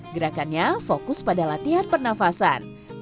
gerakannya fokus pada latihan pernafasan